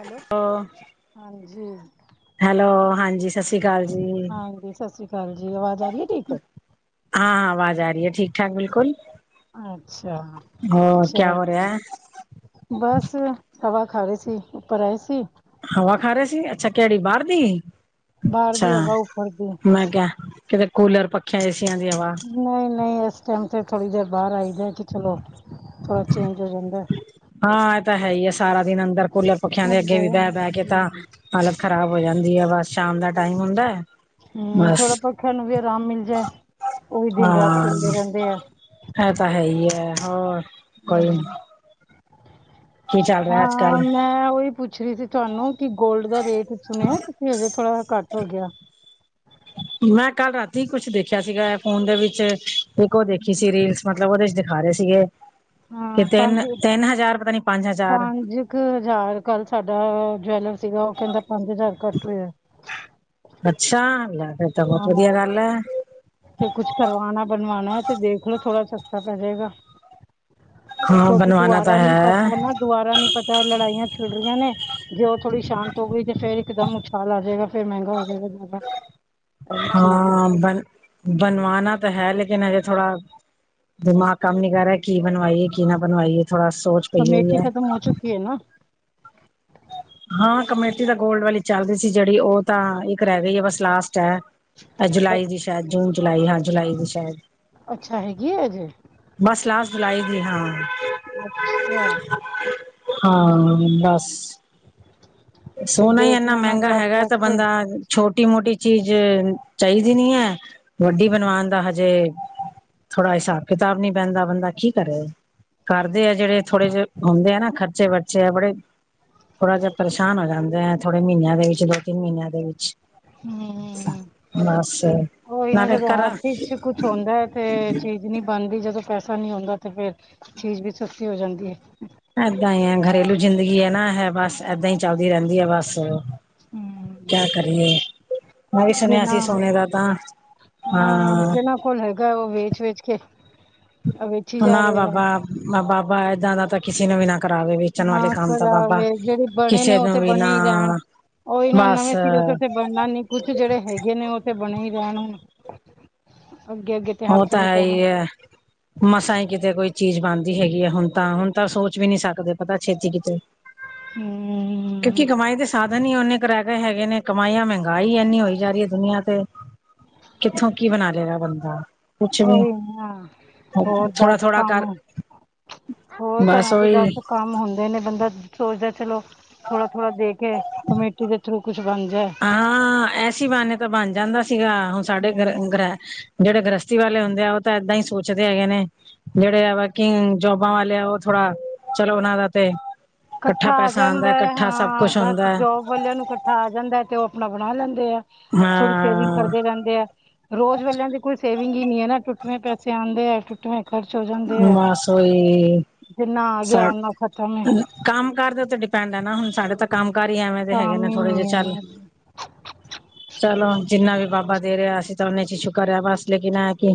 Hello ਹਾਂਜੀ hello, ਹਾਂਜੀ ਸਤਿ ਸ੍ਰੀ ਅਕਾਲ ਜੀ। ਹਾਂਜੀ ਸਤਿ ਸ਼੍ਰੀ। ਹਾਂਜੀ, ਆਵਾਜ਼ ਆ ਰਹੀ ਹੈ? ਠੀਕ ਹਾਂ ਆਵਾਜ਼ ਆ ਰਹੀ ਹੈ, ਠੀਕ ਠਾਕ ਬਿਲਕੁਲ। ਅੱਛਾ ਹੋਰ ਕਿਆ ਹੋ ਰਿਹਾ ਚਲੋਂ। ਹੈ ਬਸ ਹਵਾ ਖਾ ਰਹੀ ਸੀ, ਉੱਪਰ ਆਏ ਸੀ। ਹਵਾ ਖਾ ਰਹੇ ਸੀ ਅੱਛਾ ਕਿਹੜੀ ਬਾਹਰ ਦੀ। ਬਾਹਰ ਅੱਛਾ ਦੀ ਹਵਾ ਉੱਪਰ ਦੀ ਮੈਂ ਕਿਹਾ ਕਿਤੇ ਕੂਲਰ ਪੱਖਿਆ ਏਸੀਆਂ ਦੀਆਂ ਹਵਾ ਨਹੀਂ ਨਹੀਂ ਇਸ ਟਾਈਮ 'ਤੇ ਥੋੜ੍ਹੀ ਦੇਰ ਬਾਹਰ ਆਈਦਾ ਕਿ ਚਲੋ ਥੋੜ੍ਹਾ ਚੇਂਜ ਹੋ ਜਾਂਦਾ ਹਾਂ ਇਹ ਤਾਂ ਹੈ ਹੀ ਆ ਸਾਰਾ ਦਿਨ ਅੰਦਰ ਕੂਲਰ ਪੱਖਿਆਂ ਦੇ ਅੱਗੇ ਵੀ ਬਹਿ ਬਹਿ ਕੇ ਤਾਂ ਹਮ ਹਾਲਤ ਖ਼ਰਾਬ ਹੋ ਜਾਂਦੀ ਹੈ ਬਸ ਸ਼ਾਮ ਦਾ ਟਾਈਮ ਹੁੰਦਾ ਹੈ ਹੂੰ ਬਸ ਥੋੜਾ ਪੱਖਿਆਂ ਨੂੰ ਵੀ ਆਰਾਮ ਮਿਲ ਜਾਏ ਉਹ ਵੀ ਦਿਨ ਰਾਤ ਚੱਲਦੇ ਰਹਿੰਦੇ ਆ ਐ ਤਾਂ ਹੈ ਹੀ ਹੈ ਹੋਰ ਹਮ ਕੋਈ ਕੀ ਚੱਲ ਰਿਹਾ ਅੱਜ ਹਾਂ ਕੱਲ ਮੈਂ ਉਹੀ ਪੁੱਛ ਰਹੀ ਸੀ ਤੁਹਾਨੂੰ ਕਿ ਗੋਲਡ ਦਾ ਰੇਟ ਕੁਛ ਸੁਣਿਆ ਤੁਸੀਂ ਹਜੇ ਥੋੜ੍ਹਾ ਘੱਟ ਹੋ ਗਿਆ ਮੈਂ ਕੱਲ ਰਾਤੀ ਕੁਛ ਦੇਖਿਆ ਸੀਗਾ ਐ ਫੋਨ ਦੇ ਵਿੱਚ ਇੱਕ ਉਹ ਦੇਖੀ ਸੀ ਰੀਲਸ ਮਤਲਬ ਮਤਲਬ ਉਹਦੇ ਚ ਦਿਖਾ ਰਹੇ ਸੀਗੇ ਕਿ ਹਾਂ ਤਿੰਨ ਪੰਜ ਤਿੰਨ ਹਜ਼ਾਰ ਪਤਾ ਨੀ ਪੰਜ ਹਜ਼ਾਰ ਪੰਜ ਕੁ ਹਜ਼ਾਰ ਕੱਲ੍ਹ ਸਾਡਾ ਜਵੈਲਰ ਸੀਗਾ ਉਹ ਕਹਿੰਦਾ ਪੰਜ ਹਜ਼ਾਰ ਘੱਟ ਹੋਇਆ ਅੱਛਾ ਲੈ ਫਿਰ ਤਾਂ ਬਹੁਤ ਵਧੀਆ ਗੱਲ ਐ ਤੇ ਕੁਛ ਕਰਵਾਣਾ ਬਣਵਾਣਾ ਤੇ ਦੇਖਲੋ ਥੋੜਾ ਸਸਤਾ ਪੈ ਜਾਏਗਾ ਹਾਂ ਕਿਉਂਕਿ ਬਣਵਾਣਾ ਤਾਂ ਦੁਬਾਰਾ ਨੀ ਹੈ ਪਤਾ ਨਾ ਦੁਬਾਰਾ ਨੀ ਪਤਾ ਇਹ ਲੜਾਈ ਛਿੜ ਰਹੀਆਂ ਨੇ ਜੇ ਉਹ ਥੋੜ੍ਹੀ ਸ਼ਾਂਤ ਹੋ ਗਈ ਤੇ ਫੇਰ ਇੱਕਦਮ ਉਛਾਲ ਆ ਜਾਏਗਾ ਫਿਰ ਮਹਿੰਗਾ ਹੋ ਜਾਏਗਾ ਜ਼ਿਆਦਾ ਇਹ ਵੀ ਚੀਜ਼ ਹੈ ਅੰਬਰ ਬਣਵਾਨਾ ਤਾਂ ਹੈ ਲੇਕਿਨ ਹਜੇ ਥੋੜਾ ਦਿਮਾਗ ਕੰਮ ਨੀ ਕਰ ਰਿਹਾ ਕੀ ਬਣਵਾਈਏ ਕੀ ਨਾ ਬਣਵਾਈਏ ਥੋੜਾ ਸੋਚ ਪਈ ਹੋਈ ਹੈ ਕੇ ਨਾ ਹਾਂ ਕਮੇਟੀ ਦਾ ਗੋਲਡ ਵਾਲੀ ਚੱਲਦੀ ਸੀ ਜਿਹੜੀ ਉਹ ਤਾਂ ਇੱਕ ਰਹਿ ਗਈ ਹੈ ਬਸ ਲਾਸਟ ਚ ਹੈ ਅ- ਜੁਲਾਈ ਦੀ ਸ਼ਾਇਦ ਜੂਨ ਜੁਲਾਈ ਹਾਂ ਜੁਲਾਈ ਦੀ ਸ਼ਾਇਦ ਅੱਛਾ ਹੈਗੀ ਹੈ ਅਜੇ ਬਸ ਲਾਸਟ ਜੁਲਾਈ ਦੀ ਹਾਂ ਅੱਛਾ ਹਾਂ ਬਸ ਅਤੇ ਸੋਨਾ ਹੀ ਦੇਖ ਇੰਨਾ ਲੈਣਾ ਮਹਿੰਗਾ ਜਦ ਹੈਗਾ ਤਾਂ ਤੱਕ ਬੰਦਾ ਛੋਟੀ ਮੋਟੀ ਚੀਜ਼ ਚਾਹੀਦੀ ਨੀ ਹੈ ਵੱਡੀ ਬਣਵਾਉਣ ਦਾ ਹਜੇ ਥੋੜਾ ਹਿਸਾਬ ਕਿਤਾਬ ਨਹੀਂ ਪੈਂਦਾ ਬੰਦਾ ਕੀ ਕਰੇ ਕਰਦੇ ਆ ਜਿਹੜੇ ਥੋੜੇ ਜਿਹੇ ਹੁੰਦੇ ਆ ਨਾ ਖਰਚੇ ਬਰਚੇ ਆ ਬੜੇ ਥੋੜਾ ਜਿਹਾ ਪਰੇਸ਼ਾਨ ਹੋ ਜਾਂਦੇ ਆ ਥੋੜੇ ਮਹੀਨਿਆਂ ਦੇ ਵਿੱਚ ਦੋ ਤਿੰਨ ਮਹੀਨਿਆਂ ਦੇ ਵਿੱਚ ਹੂੰ ਬਸ ਉਹੀ ਨਾ ਨਾਲੇ ਜਦੋਂ ਘਰ ਹੱਥ ਚ ਕੁਛ ਹੁੰਦਾ ਹੈ ਤੇ ਚੀਜ਼ ਨਹੀਂ ਬਣਦੀ ਜਦੋਂ ਪੈਸਾ ਨੀ ਆਉਂਦਾ ਤੇ ਫੇਰ ਚੀਜ਼ ਵੀ ਸਸਤੀ ਹੋ ਜਾਂਦੀ ਹੈ ਏਦਾਂ ਹੀ ਆ ਘਰੇਲੂ ਜ਼ਿੰਦਗੀ ਹੈ ਨਾ ਹੈ ਬੱਸ ਏਦਾਂ ਹੀ ਚੱਲਦੀ ਰਹਿੰਦੀ ਹੈ ਬਸ ਹਮ ਕਿਆ ਕਰੀਏ ਮੈਂ ਵੀ ਸੁਣਿਆ ਜਿਨਾ ਸੀ ਸੋਨੇ ਦਾ ਤਾਂ ਹਾਂ ਜਿਹਨਾਂ ਕੋਲ ਹੈਗਾ ਉਹ ਵੇਚ ਵੇਚ ਕੇ ਜਾ ਨਾ ਰਹੇ ਹੈ ਬਾਬਾ ਬਾਬਾ ਏਦਾਂ ਦਾ ਕਿਸੀੇ ਨੂੰ ਵੀ ਨਾ ਕਰਾਵੇ ਵੇਚਣ ਵਾਲੇ ਨਾ ਕੰਮ ਤਾਂ ਬਾਬਾ ਖਰਾਵੇ ਜਿਹੜੇ ਬਣੇ ਨੇ ਕਿਸੇ ਉਹ ਨੂੰ ਤੇ ਵੀ ਨਾ ਬਣੇ ਹੀ ਰਹਿਣ ਬਸ। ਇਨਾ ਨੀ ਕੁੱਛ ਜਿਹੜੇ ਹੈਗੇ ਨੇ ਉਹ ਤੇ ਬਣੇ ਹੀ ਰਹਿਣ ਹੁਣ ਅੱਗੇ ਅੱਗੇ। ਤੇ ਉਹ ਹੱਥ ਤਾਂ ਨੀ ਹੈ ਪੈਣਾ ਹੀ ਹੈ ਮਸਾ ਈ ਕਿਤੇ ਕੋਈ ਚੀਜ਼ ਬਣਦੀ ਹੈਗੀ ਹੈ ਹੁਣ ਤਾਂ ਹੁਣ ਤਾਂ ਸੋਚ ਵੀ ਨਹੀਂ ਸਕਦੇ ਪਤਾ ਛੇਤੀ ਕਿਤੇ ਹੂੰ ਕਿਉਂਕਿ ਕਮਾਈ ਦੇ ਸਾਧਨ ਹੀ ਓਨੇ ਕਰ ਰਹਿ ਗਏ ਹੈਗੇ ਨੇ ਕਮਾਈ ਆ ਮਹਿੰਗਾਈ ਇੰਨੀ ਹੋਈ ਜਾ ਰਹੀ ਹੈ ਦੁਨੀਆਂ ਤੇ। ਕਿੱਥੋਂ ਕੀ ਬਣਾ ਲੈਗਾ ਬੰਦਾ। ਕੁਛ ਵੀ ਉਹੀ ਨਾ, ਹੋਰ ਥੋੜਾ ਦੱਸ ਥੋੜਾ ਕਰ ਕੰਮ? ਹੋਰ ਘਰਾਂ ਦੇ ਬਸ ਕੰਮ ਹੁੰਦੇ ਨੇ ਬੰਦਾ ਸੋਚਦਾ ਚਲੋ ਥੋੜਾ ਥੋੜਾ ਦੇ ਕੇ, ਕਮੇਟੀ ਦੇ ਥਰੂ ਕੁਛ ਬਣ ਜਾਏ। ਹਾਂ ਐਸੀ ਬਹਾਨੇ ਤਾਂ ਬਣ ਜਾਂਦਾ ਸੀਗਾ, ਹੁਣ ਸਾਡੇ ਗਰ ਹੂੰ ਗ੍ਰਹਿ ਜਿਹੜੇ ਗ੍ਰਹਸਤੀ ਵਾਲੇ ਹੁੰਦੇ ਆ ਉਹ ਤਾਂ ਏਦਾਂ ਹੀ ਸੋਚਦੇ ਹੈਗੇ ਨੇ। ਜਿਹੜੇ ਐ ਵਰਕਿੰਗ ਜੋਬਾਂ ਵਾਲੇ ਐ, ਉਹ ਥੋੜਾ ਚਲੋ ਉਹਨਾਂ ਦਾ ਤੇ ਇਕੱਠਾ ਪੈਸਾ ਆਉਂਦਾ ਇਕੱਠਾ ਸਬ ਕੁੱਛ ਹੁੰਂਦਾ ਹੈ। ਵੱਲਿਆਂ ਨੂੰ ਇਕੱਠਾ ਆ ਜਾਂਦਾ ਹੈ, ਤੇ ਉਹ ਆਪਣਾ ਬਣਾ ਲੈਂਦੇ ਆ ਥੋੜੀ ਸੇਵਿੰਗ ਹਾਂ ਕਰਦੇ ਰਹਿੰਦੇ ਆ। ਰੋਜ਼ ਵੇਲਿਆਂ ਦੇ ਕੋਈ ਸੇਵਿੰਗ ਹੀ ਨੀ ਹੈ ਨਾ, ਟੁੱਟਵੇਂ ਪੈਸੇ ਆਉਂਦੇ ਹੈ ਟੁੱਟਵੇਂ ਖਰਚ ਹੋ ਜਾਂਦੇ ਐ, ਬਸ ਉਹੀ ਜਿੰਨਾ ਆ ਗਿਆ ਸਾ ਓਨਾ ਖਤਮ ਹੈ ਕੰਮ ਕਾਰ ਦੇ ਉੱਤੇ ਡਿਪੈਂਡ ਹੈ ਨਾ, ਹੁਣ ਸਾਡੇ ਤਾਂ ਕੰਮ ਕਾਰ ਹੀ ਐਵੇਂ ਦੇ ਹੈਗੇ ਕੰਮ ਨੇ ਹੀ ਥੋੜ੍ਹੇ ਜਿਹੇ ਨਹੀਂ ਹੈ ਚੱਲ ਨਾ ਚਲੋ ਜਿੰਨਾ ਵੀ ਬਾਬਾ ਦੇ ਰਿਹਾ ਅਜ ਓਹਨੇ ਚ ਸ਼ੁਕਰ ਹੈ ਬਸ, ਲਕਿਨ ਐ ਹੈ ਕਿ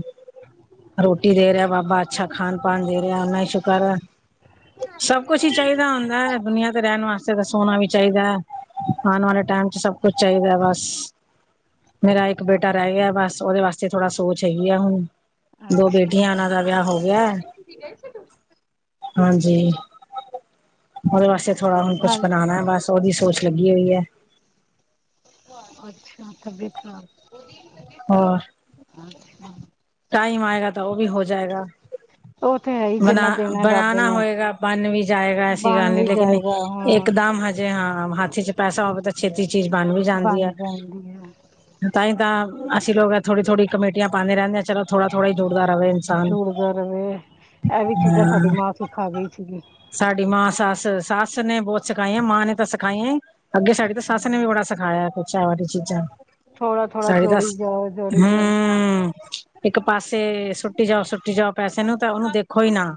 ਰੋਟੀ ਦੇ ਰਿਹਾ ਬਾਬਾ ਅੱਛਾ ਖਾਣ ਪਾਣ ਦੇ ਰਿਹਾ, ਏਨਾ ਈ ਸ਼ੁਕਰ ਐ ਹਮ। [inaudible] ਸਭ ਕੁਛ ਹੀ ਚਾਹੀਦਾ ਹੁੰਦਾ ਹੈ ਦੁਨੀਆਂ ਤੇ ਰਹਿਣ ਵਾਸਤੇ, ਤਾਂ ਸੋਣਾ ਵੀ ਚਾਹੀਦਾ ਹੈ ਆਉਣ ਵਾਲੇ ਟਾਈਮ ਚ ਸਭ ਕੁਛ ਚਾਹੀਦਾ ਬਸ। [inaudible] ਮੇਰਾ ਇੱਕ ਬੇਟਾ ਰਹਿ ਗਿਆ ਬਸ, ਉਹਦੇ ਵਾਸਤੇ ਥੋੜਾ ਸੋਚ ਹੈਗੀ ਆ ਹੁਣ। ਦੋ ਅੱਛਾ ਬੇਟੀਆਂ ਇਹਨਾਂ ਦਾ ਵਿਆਹ ਹੋ ਗਿਆ। ਹਾਂਜੀ, ਉਹਦੇ ਵਾਸਤੇ ਥੋੜਾ ਹੁਣ ਕੁਛ ਹਾਲ ਬਣਾਉਣਾ ਬਸ। ਉਹਦੀ ਸੋਚ ਲੱਗੀ ਹੋਈ ਹੈ। ਅੱਛਾ ਤਬੀਅਤ ਖ਼ਰਾਬ ਹੋਰ? ਟਾਈਮ ਆਏਗਾ ਤਾਂ ਉਹ ਵੀ ਹੋ ਜਾਏਗਾ। ਉਹ ਤੇ ਹੈ ਹੀ ਬਣਾ ਜਿੰਨਾ ਦੇਣਾ ਹੈ ਬਾਬੇ ਬਣਾਣਾ ਨੇ ਹੋਏਗਾ ਬਣ ਵੀ ਜਾਏਗਾ ਐਸੀ ਬਣ ਗੱਲ ਨੀ ਵੀ ਲੇਕਿਨ ਜਾਏਗਾ ਹਾਂ ਇੱਕਦਮ ਹਜ ਜੀ ਹਾਂ, ਹੱਥ ਚ ਪੈਸਾ ਹੋਵੇ ਤਾਂ ਛੇਤੀ ਚੀਜ਼ ਬਣ ਵੀ ਬਣ ਜਾਂਦੀ ਹੈ। ਜਾਂਦੀ ਹੈ ਤਾਂ ਹੀ ਤਾਂ ਅਸੀਂ ਲੋਕ ਏ ਥੋੜ੍ਹੀ ਥੋੜੀ ਕਮੇਟੀਆਂ ਪਾਉਂਦੇ ਰਹਿੰਦੇ ਆ ਚਲੋ ਥੋੜ੍ਹਾ ਥੋੜਾ ਹੀ ਜੋੜਦਾ ਰਵੇ ਇਨਸਾਨ ਕਰਲੇ [inaudible] ਇਹ ਵੀ ਚੀਜ਼ਾਂ ਸਾਡੀ ਹਾਂ ਮਾਂ ਸਿਖਾ ਗਈ ਸੀਗੀ। ਸਾਡੀ ਮਾਂ ਸੱਸ, ਸੱਸ ਨੇ ਬਹੁਤ ਸਿਖਾਈਆਂ ਮਾਂ ਨੇ ਤਾਂ ਸਿਖਾਈਆਂ। ਅੱਗੇ ਸਾਡੀ ਤਾਂ ਸੱਸ ਨੇ ਵੀ ਬੜਾ ਸਿਖਾਇਆ ਕੁਛ ਐ ਵਾਲੀ ਚੀਜ਼ਾਂ, ਥੋੜ੍ਹਾ ਥੋੜ੍ਹਾ ਸਾਡੀ ਜੋੜੀ ਸੱਸ ਜਾਓ ਜੋੜੀ ਜਾਓ ਹੂ ਇੱਕ ਪਾਸੇ ਸੁੱਟੀ ਜਾਓ ਸੁੱਟੀ ਜਾਓ ਪੈਸੇ ਨੂੰ ਤਾਂ ਉਹਨੂੰ ਦੇਖੋ ਹੀ ਨਾ।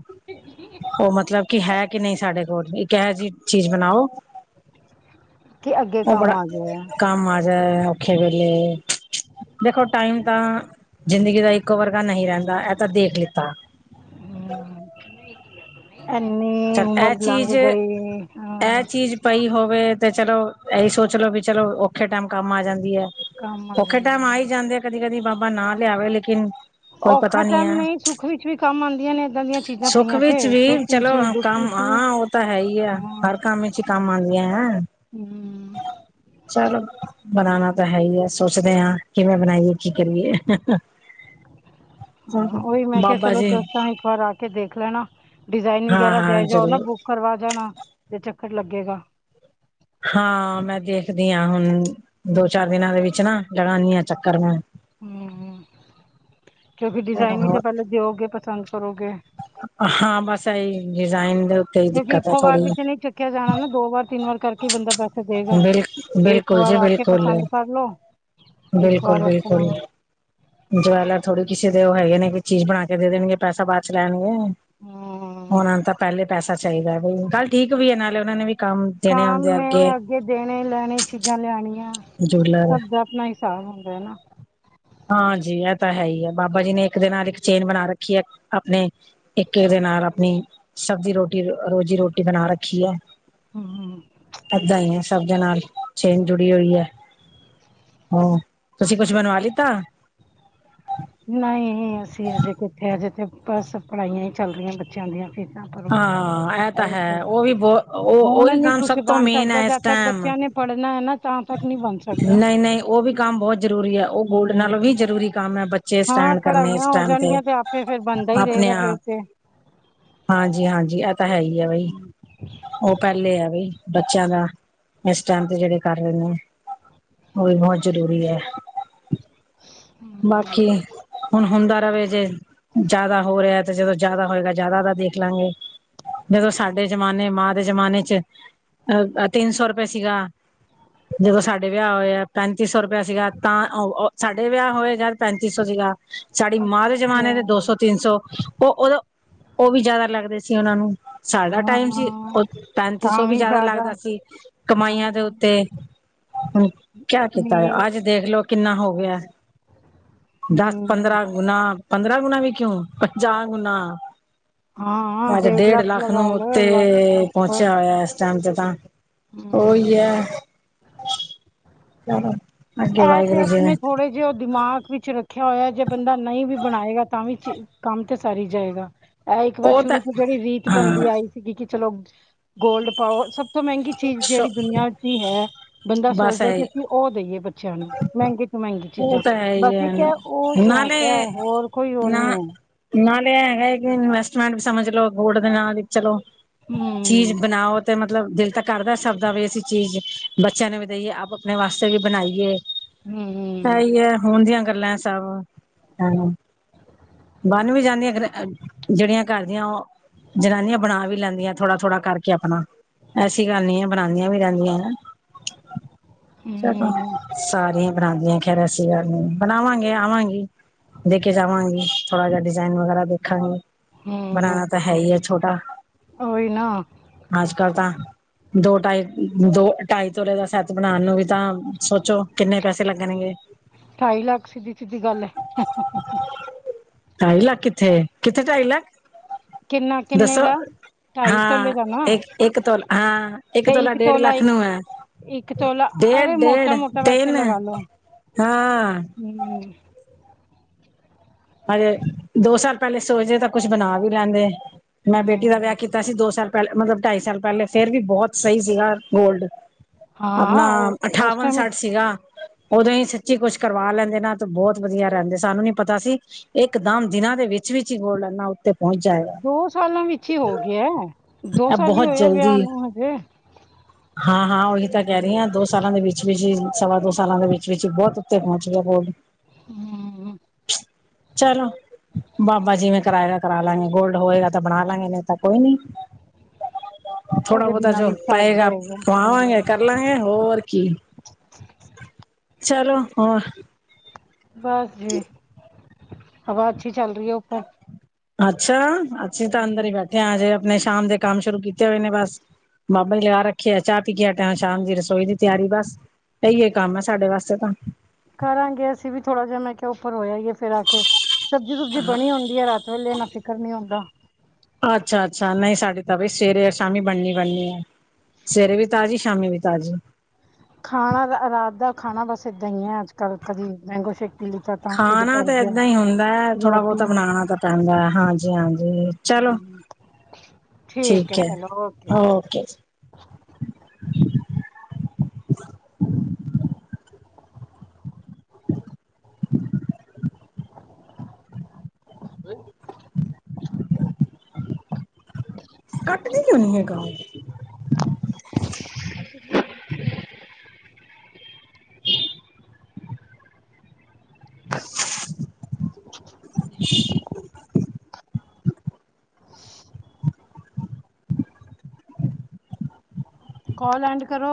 ਉਹ ਮਤਲਬ ਕਿ ਹੈ ਕਿ ਨਹੀਂ ਸਾਡੇ ਕੋਲ, ਇੱਕ ਇਹੋ ਜਿਹੀ ਚੀਜ਼ ਬਣਾਓ। ਕੀ ਅੱਗੇ ਕੰਮ ਆ ਗਿਆ ਆ। ਜੇ ਔਖੇ ਵੇਲੇ ਦੇਖੋ ਟਾਈਮ ਤਾਂ ਜ਼ਿੰਦਗੀ ਦਾ ਇੱਕੋ ਵਰਗਾ ਨਹੀਂ ਰਹਿੰਦਾ ਇਹ ਤਾਂ ਦੇਖ ਲਿੱਤਾ ਐਨੀ ਚੱਲ ਇਹ ਉਮਰ ਲਾਂਗ ਚੀਜ਼ ਗਈ ਏ ਇਹ ਚੀਜ਼ ਪਈ ਹੋਵੇ ਤੇ ਚਲੋ, ਇਹੀ ਸੋਚ ਲੋ ਵੀ ਚਲੋ ਔਖੇ ਟਾਈਮ ਕੰਮ ਆ ਜਾਂਦੀ ਹੈ। ਕੰਮ ਆ ਔਖੇ ਟਾਈਮ ਜਾਂਦੀ ਆ ਹੈ ਹੀ ਜਾਂਦੇ ਆ ਕਦੀ ਕਦੀ ਬਾਬਾ ਨਾ ਲਿਆਵੇ, ਲੇਕਿਨ ਕੋਈ ਔਖਾ ਪਤਾ ਨੀ ਟਾਈਮ ਹੈ। ਨਹੀਂ, ਸੁੱਖ ਵਿੱਚ ਵੀ ਕੰਮ ਆਉਂਦੀਆਂ ਨੇ ਏਦਾਂ ਦੀਆਂ ਚੀਜ਼ਾਂ ਪਈਆਂ ਤੇ ਕੀ ਸੁੱਖ ਚਲੋ ਵਿੱਚ ਵੀ ਦੁੱਖ ਕੰਮ ਵਿੱਚ ਵੀ ਆਂ ਉਹ ਤਾਂ ਹੈ ਈ ਐ, ਹਾਂ ਹਰ ਕੰਮ ਵਿੱਚ ਹੀ ਕੰਮ ਆਦੀਆਂ। ਹਮ [inaudible] ਚਲੋ ਬਨਾਨਾ ਤਾਂ ਹੈ ਈ ਐ ਸੋਚਦੇ ਆ ਕਿਵੇਂ ਬਨਾਈਏ ਕੀ ਕਰੀਏ। ਹਾਂ ਉਈ ਮੈਂ ਕਿਆ ਬਾਬਾ ਚਲੋ ਜੀ ਦੱਸਾਂ ਇ ਵਾਰ ਆ ਕੇ ਦੇਖ ਲੈਨਾ ਡਿਜ਼ਾਇਨ ਹਾਂ ਵਗੈਰਾ ਹਾਂ ਜੇਹ ਜਾ ਓ ਨਾ ਜ਼ਰੂਰ ਬੁੱਕ ਕਰਵਾ ਜਾਨਾ ਜੇ ਚੱਕਰ ਲੱਗੇਗਾ। ਹਾਂ ਮੈਂ ਦੇਖਦੀ ਆ ਹੁਨ ਦੋ ਚਾਰ ਦਿਨਾਂ ਦੇ ਵਿੱਚ ਨਾ ਲਗਾਨੀ ਆਂ ਚੱਕਰ ਮੈਂ। ਹੂੰ ਕਿਓਂਕਿ ਡਿਜ਼ਾਇਨ ਵੀ ਤਾਂ ਮੈਂ ਪੈਲਾਂ ਦੇਓਗੇ ਪਸੰਦ ਕਰੋਗੇ। ਹਾਂ ਬਸ ਏਈ ਡਿਜ਼ਾਇਨ ਦੇ ਉੱਤੇ ਈ ਦਿੱਕਤ ਐ ਥੋੜੀ ਜੀ। ਕੇ ਜਾਨਾ ਨਾ ਦੋ ਵਾਰ ਤਿੰਨ ਵਾਰ ਕਰਕੇ ਈ ਬੰਦਾ ਪੈ ਦੇਗਾ ਬਿਲ ਇੱਕ ਬਿਲਕੁਲ ਵਾਰ ਜੀ ਆ ਕੇ ਬਿਲਕੁਲ ਪਸੰਦ ਕਰਲੋ ਇੱਕ ਵਾਰ ਬਿਲਕੁਲ ਬਿਲਕੁਲ ਆਪਨਾ ਜਵੈਲਰ ਥੋੜੀ ਕਿਸੇ ਦੇ ਓ ਹੈਗੇ ਨੇ ਕਿ ਚੀਜ਼ ਬਨਾ ਕੇ ਦੇਨਗੇ ਪੈਸਾ ਬਾ ਚ ਲੈਨਗੇ ਓਨਾਂ ਨੂੰ ਤਾਂ ਪੈਲੇ ਪੈਸਾ ਚਾਈਦਾ ਬਈ ਗੱਲ ਠੀਕ ਵੀ ਏ ਨਾਲੇ ਓਨਾਂ ਨੇ ਵੀ ਕੰਮ ਦੇਨੇ ਹੁੰਦੇ ਅੱਗੇ ਦੇਨੇ ਲੈਨੇ ਚੀਜ਼ਾਂ ਲਿਆਨੀਆਂ ਜੂਲਰ ਸਬ ਦਾ ਆਪਨਾ ਹਿਸਾਬ ਹੁੰਦਾ ਐ ਨਾ। ਹਾਂਜੀ ਐ ਤਾਂ ਹੈ ਈ ਐ ਬਾਬਾ ਜੀ ਨੇ ਇੱਕ ਦੇ ਨਾਲ ਇੱਕ ਚੇਨ ਬਨਾ ਰੱਖੀ ਏ ਆਪਨੇ ਇੱਕ ਏਦੇ ਨਾਲ ਆਪਨੀ ਸਬਜ਼ੀ ਰੋਟੀ ਰੋਜ਼ੀ ਰੋਟੀ ਬਨਾ ਰੱਖੀ ਐ। ਹੂੰ ਏਦਾਂ ਈ ਐ ਸਬ। ਨਾਲ ਚੇਨ ਜੁੜੀ ਹੂਈ ਐ ਹੂੰ ਤੁਸੀਂ ਕੁਛ ਬਨਵਾ ਲਿ ਤਾ ਨਈ ਅਸੀਂ ਹਜੇ ਕਿੱਥੇ ਅਜੇ ਤੇ ਬਸ ਪੜਾਈਆਂ ਈ ਚੱਲ ਰਈਆਂ ਬੱਚੇਆਂ ਦੀਆਂ ਫੀਸਾਂ ਹਾਂ ਇਹ ਤਾਂ ਹੈ ਉਹ ਵੀ ਬਹੁ ਉਹ ਉਹੀ ਹੁਨ ਨੀ ਕੰਮ ਕੁਛ ਸਭ ਤੋਂ ਬਨ ਮੇਨ ਸਕਦਾ ਜਦ ਤੱਕ ਬੱਚੇਆਂ ਨੇ ਪੜਨਾ ਐ ਨਾ ਤਾਂ ਤੱਕ ਨਹੀਂ ਬਣ ਸਕਦਾ ਨਈ-ਨਈ ਓ ਵੀ ਕੰਮ ਬੋਹ ਜ਼ਰੂਰੀ ਆ ਓ ਗੋਲਡ ਨਾਲੋਂ ਹੂੰ ਵੀ ਜ਼ਰੂਰੀ ਕੰਮ ਐ ਬੱ ਬੱਚੇ ਹਾਂ ਸਟੈਂਡ ਕਰਨੇ ਇਸ ਪੜ੍ਹਾਈਆਂ ਹੋ ਟੈਮ ਤੇ ਜਾਣਗੀਆਂ ਤਾਂ ਆਪੇ ਫਿਰ ਬਣਦਾ ਹੀ ਆਪਨੇੇ ਰਹੇਗਾ ਫਿਰ ਤਾਂ ਆਪ ਹਾਂਜੀ-ਹਾਂਜੀ ਐ ਤਾਂ ਹੈ ਈ ਆ ਬਈ ਹੂੰ ਓ ਪੈਲੇ ਆ ਬਈ ਬੱਚੇਆਂ ਦਾ ਇਸ ਟੈਮ ਤੇ ਜੇੜੇ ਕਰ ਰਏ ਨੇ ਓ ਵੀ ਬੋਤ ਜਰੂਰੀ ਐ। ਹੂੰ, ਬਾਕੀ ਹੁਨ ਹੁੰਦਾ ਰਵੇ ਜੇ ਜ਼ਾਦਾ ਹੋ ਰਿਆ ਤੇ ਜਦੋਂ ਜ਼ਾਦਾ ਹੋਏਗਾ ਜ਼ਾਦਾ ਦਾ ਦੇਖ ਲਾਂਗੇ ਜਦੋਂ ਸਾਡੇ ਜ਼ਮਾਨੇ ਮਾਂ ਦੇ ਜਮਾਨੇ ਚ ਅ ਤਿੰਨ ਸੌ ਰੁਪਏ ਸੀਗਾ ਜਦੋਂ ਸਾਡੇ ਵਿਆ ਹੋਏ ਆ ਪੈਂਤੀ ਸੌ ਰੁਪਏਆ ਸੀਗਾ ਤਾਂ ਓ ਓ ਸਾਡੇ ਵਿਆ ਹੋਏ ਜਦ ਪੈਂਤੀ ਸੌ ਸੀਗਾ ਸਾਡੀ ਮਾਂ ਦੇ ਅੱਛਾ ਜਮਾਨੇ ਦੇ ਦੋ ਸੌ ਤਿੰਨ ਸੌ ਓ ਓਦੋ ਓ ਵੀ ਜ਼ਾਦਾ ਲੱਗਦੇ ਸੀ ਓਨਾਂ ਨੂੰ ਸਾਡਾ ਟਾਈਮ ਸੀ ਹਾਂ ਓ ਪੈਂਤੀ ਤਾਂ ਸੌ ਵੀ ਜ਼ਾਦਾ ਜ਼ਿਆਦਾ ਲੱਗਦਾ ਸੀ ਹਾਂ ਕਮਾਈਆਂ ਦੇ ਉੱਤੇ ਹੁਨ ਕਿਆ ਕੀਤਾ ਨਹੀਂ ਜਾ ਅੱਜ ਦੇਖਲੋ ਕਿੰਨਾ ਹੋ ਗਿਆ। ਦਸ ਹੂੰ ਪੰਦਰਾਂ ਗੁਨਾ ਪੰਦਰਾਂ ਗੁਨਾ ਵੀ ਕਿਓਂ ਪੰਜਾ ਗੁਨਾ ਹਾਂ ਅੱਜ ਡੇਢ ਲੱਖ ਨੂੰ ਲਗਾ ਲਓ ਉੱਤੇ ਲੱਖ ਤੋਂ ਉੱਪਰ ਪੋਂਚੇਆ ਹੋਏਆ। ਚੰਦ ਤਾਂ ਹੂੰ ਓਈ ਐ। ਚਲੋ ਅੱਗੇ ਵਾਏਗੁਰੂ ਜੀ ਨੇ। ਜੇ ਓ ਦਿਮਾਗ ਵਿੱਚ ਰੱਖੇਆ ਹੋਏਆ ਜੇ ਬੰਦਾ ਨਈ ਵੀ ਬਨਾਏਗਾ ਤਾਂ ਵੀ ਚੀ ਕੰਮ ਤੇ ਸਾਰ ਈ ਜਾਏਗਾ। ਐ ਇੱਕ ਵਾਰ ਉਹ ਤਾਂ ਸ਼ੁਰੂ ਤੋਂ ਜੇੜੀ ਰੀਤ ਬਨਦੀ ਹਾਂ ਆਈ ਸੀਗੀ ਕਿ ਚਲੋ ਗੋਲਡ ਪਾਓ ਸਬ ਸਬ ਤੋਂ ਮੈਂਗੀ ਚੀਜ਼ ਸ਼ ਜੇੜੀ ਦੁਨੀਆਂ ਦੀ ਹੈ ਬੰਦਾ ਬਸ ਸੋਚਦਾ ਐ ਹੈ ਕਿ ਅਸੀਂ ਓ ਦਈਏ ਬੱਚੇ ਮੈਂਗੀ ਤੋਂ ਮੈਂਗੀ ਉਹ ਚੀਜ਼ਾਂ ਤਾਂ ਹੈ ਹੀ ਬਸ ਹੈ ਇੱਕ ਐ ਓ ਸ਼ੌਕ ਐ ਨਾਲੇ ਹੋਰ ਕੋਈ ਓ ਨਾ ਨੀ ਐ। ਨਾਲੇ ਐ ਹੈਗਾ ਕਿ ਇਨਵੈਸਟਮੈਂਟ ਵੀ ਸਮਝ ਲੋੋ ਗੋਲਡ ਦੇ ਨਾਲ ਈ ਚਲੋ। ਹੂੰ ਚੀਜ਼ ਬਨਾਓ ਤੇ ਮਤਲਬ ਦਿਲ ਤੱਕ ਕਰਦਾ ਸਬਦਾ ਵੀ ਅਸੀਂ ਚੀਜ਼ ਬੱਚਿਆਂ ਨੂੰ ਵੀ ਦੇਈਏ ਆਪ ਆਪਨੇ ਵਾਸਤੇ ਵੀ ਬਣਾਈਏ ਹੂੰ ਸਈ ਐ ਹੁਣ ਦੀਆਂ ਗੱਲਾਂ ਐ ਸਭ ਐਹੋ। ਬੰਨ ਵੀ ਜਾਂਦੀਆਂ ਖਰੇ ਅ ਜੇੜੀਆਂ ਕਰ ਦੀਆਂ ਓ ਜਨਾਨੀਆਂ ਬਣਾ ਵੀ ਲੈਂਦੀਆਂ ਥੋੜਾ-ਥੋੜਾ ਕਾਰਕੇ ਅਪਣਾ। ਝੂਠੀ ਗੱਲ ਨੀ ਐ ਬਣਾਦੀਆਂ ਵੀ ਰੈੰਦੀਆਂ ਨੇ, ਚਲੋ ਹੂੰ ਸਾਰੀਆਂ ਈ ਬਣਾਦੀਆਂ ਖੈਰ ਐਸੀਂ ਗੱਲ ਨੀ ਬਣਾਵਾਂਗੇ ਆਵਾਂਗੀ। ਦੇ ਕੇ ਜਾਵਾਂਗੀ ਥੋੜਾ ਜੇਆ ਡਿਜ਼ਾਇਨ ਵਗੈਰਾ ਦੇਖਾਂਗੀ। ਹੂੰ ਬਣਾਣਾ ਤਾਂ ਹੈ ਹੀ ਐ ਛੋਟਾ ਉਹੀ ਨਾ ਅੱਜ-ਕੱਲ ਤਾਂ ਦੋ-ਢਾਈ ਦੋ ਢਾਈ ਤੋਲੇ ਦਾ ਸੈਤ ਬਣਾਣ ਨੂੰ ਵੀ ਤਾਂ ਸੋਚੋ ਕਿੰਨੇ ਪੈਸੇ ਲੱਗਣਗੇ। ਢਾਈ ਲੱਖ ਸਿੱਧੀ-ਸਿੱਧੀ ਗੱਲ ਐ। ਢਾਈ ਲੱਖ ਕਿੱਥੇ, ਕਿੱਥੇ ਭਾਈ ਲੱਖ ਕਿੰਨਾ ਕਿੰਨੇ ਦੱਸੋ ਦਾ? ਢਾਈ ਤੋਲੇ ਹਾਂ ਦਾ ਨਾ ਏਕ ਇੱਕ ਤੋਲਾ ਹਾਂ ਏਕ ਤੇ ਤੋਲਾ ਇੱਕ ਡੇਢ ਲੱਖ ਇੱਕ ਨੂੰ ਐ। ਇੱਕ ਤੋਲਾ ਡੇਢ-ਡੇਢ ਤੇੰਨ ਹਾਂ। ਹਜੇ ਦੋ ਸਾਲ ਪੈਲੇ ਸੋਚਦੇ ਤਾਂ ਕੁਛ ਬਣਾ ਵੀ ਲੈਂਦੇ ਮੈਂ ਬੇਟੀ ਦਾ ਵਿਆਹ ਕੀ ਤਾਂ ਅਸੀਂ ਦੋ ਸਾਲ ਪੈਲੇ ਮਤਲਬ ਢਾਈ ਸਾਲ ਪੈਲੇ ਫੇਰ ਵੀ ਬੋਹਤ ਸਈ ਸੀਗਾ ਗੋਲਡ। ਅਪਣਾ ਅਠਾਵਨ ਸੱਠ ਸੀਗਾ। ਓਦੋਂ ਈ ਸੱਚੀ ਕੁਛ ਕਰਵਾ ਲੈਂਦੇ ਨਾ ਤੇ ਬੋਹਤ ਵਧੀਆ ਰੈੰਦੇ ਸਾਨੂੰ ਨੀ ਪਤਾ ਸੀ ਇਕਦਮ ਦਿਨਾਂ ਦੇ ਵਿੱਚ-ਵਿੱਚ ਈ ਗੋਲਡ ਏਨਾ ਉੱਤੇ ਪਹੁੰਚ ਜਾਏਗਾ ਦੋ ਸਾਲਾਂ ਵਿੱਚ ਈ ਹੋ ਗਿਆ ਦੋ ਇਹ ਸਾਲ ਈ ਬਹੁਤ ਹੋਏ ਵਿਆਹ ਨੂੰ ਹਜੇ ਹਾਂ-ਹਾਂ ਓਈ ਤਾਂ ਕੈ ਰਈ ਹਮ, ਆਂ ਦੋ ਸਾਲਾਂ ਦੇ ਵਿੱਚ ਵਿੱਚ ਈ ਸਵਾ ਦੋ ਸਾਲਾਂ ਦੇ ਵਿੱਚ-ਵਿੱਚ ਈ ਬੋਹਤ ਉੱਤੇ ਪਹੁੰਚ ਗਿਆ ਗੋਲਡ ਹੂੰ। ਚਲੋ ਬਾਬਾ ਜਿਵੇਂ ਕਰਾਏਗਾ ਕਰਾ ਲਾਂਗੇ ਗੋਲਡ ਹੋਏਗਾ ਤਾਂ ਬਣਾ ਲਾਂਗੇ ਨਈ ਤਾਂ ਕੋਈ ਨੀ। ਉਹਦੇ ਥੋੜਾ-ਬੋਤਾ ਬਿਨਾਂ ਜੋ ਵੀ ਸਰ ਪਏਗਾ। ਜਾਏਗਾ ਪਾਵਾਂਗੇ ਹਮ, ਕਰ ਲਾਂਗੇ ਹੋਰ ਕੀ, ਚਲੋ ਹੋਰ ਬਸ ਜੀ ਹਵਾ ਅੱਛੀ ਚੱਲ ਰੀ ਏ ਉੱਪਰ ਅੱਛਾ ਅਸੀਂ ਤਾਂ ਅੰਦਰ ਈ ਬੈਠੇ ਹਜੇ ਆਪਣੇ ਸ਼ਾਮ ਦੇ ਕੰਮ ਸ਼ੁਰੂ ਕੀਤੇ ਹੋਏ ਨੇ ਬਸ ਬਾਬਾ ਨੇ ਲਗਾ ਰੱਖਿਆ ਚਾਹ ਪੀ ਅਟਾ ਸ਼ਾਮ ਦੀ ਰਸੋਈ ਦੀ ਤਿਆਰੀ ਬਸ। ਐਇਓ ਕੰਮ ਐ ਸਾਡੇ ਵਾਸਤੇ ਤਾਂ। ਕਰਾਂਗੇ ਅਸੀਂ ਵੀ ਥੋੜ੍ਹਾ ਜੇਹਾ ਮੈਂ ਕੇਆ ਉੱਪਰ ਹੋ ਆਈਏ ਫਿਰ ਆ ਕੇ। ਸਬਜ਼ੀ-ਸੁਬਜੀੀ ਬਣੀ ਹੁੰਦੀ ਐ ਰਾਤ ਵੇਲੇ ਏਨਾ ਫਿਕਰ ਨੀ ਹੁੰਦਾ। ਅੱਛਾ-ਅੱਛਾ ਨਈ ਸਾਡੇ ਤਾਂ ਬਈ ਸਵੇਰੇ-ਸ਼ਾਮੀ ਬਣਨੀ-ਬਣਨੀ ਏ। ਸਵੇਰੇ ਵੀ ਤਾਜ਼ੀ ਸ਼ਾਮੀ ਵੀ ਤਾਜ਼ੀ। ਖਾਣਾ ਰਾਤ ਦਾ ਖਾਣਾ ਬਸ ਏਦਾਂ ਈ ਐ ਅੱਜ-ਕੱਲ ਕਦੀ ਮੈਂਗੋ ਸ਼ੇਕ ਪੀ ਲਿੱਤਾ ਤਾਂ ਢਿੱਡ ਖਾਣਾ ਭਰ ਤਾਂ ਗਿਆ ਏਦਾਂ ਈ ਹੁੰਦਾ ਰੋਟੀ ਥੋੜਾ-ਬੋਤਾ ਨਹੀਂ ਬਣਾਣਾ ਤਾਂ ਪੈਂਦਾ ਹਾਂਜੀ-ਹਾਂਜੀ। ਠੀਕ ਏ ਚਲੋ ਓਕੇ ਜੀ। ਹੁੰ। ਕੱਟ ਕੇ ਕਿਉ ਨੀ ਹੈਗਾ ਓ ਕੋਲ ਐਂਡ ਕਰੋ।